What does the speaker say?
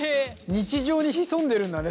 日常に潜んでるんだね